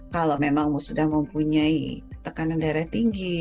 kalau memang sudah mempunyai tekanan darah tinggi